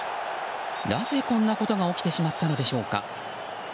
なぜこんなことが起きてしまったのでしょうか。